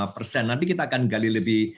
dua puluh lima persen nanti kita akan gali lebih